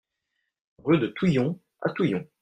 Rue de Touillon à Touillon